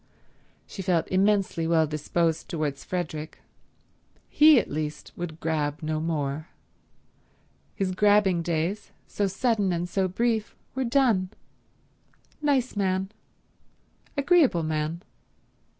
She felt immensely well disposed towards Frederick. He, at least, would grab no more. His grabbing days, so sudden and so brief, were done. Nice man; agreeable man.